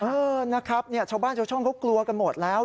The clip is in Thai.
เออนะครับชาวบ้านชาวช่องเขากลัวกันหมดแล้ว